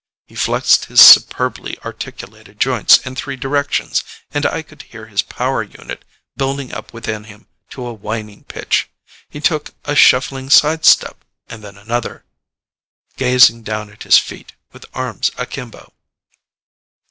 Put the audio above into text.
He flexed his superbly articulated joints in three directions, and I could hear his power unit building up within him to a whining pitch. He took a shuffling sidestep, and then another, gazing down at his feet, with arms akimbo.